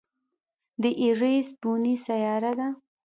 د ایرېس بونې سیاره ده.